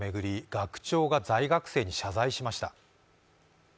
学長が在学生に謝罪しました。